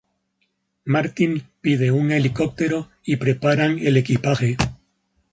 Martin pide un helicóptero y preparan el equipaje.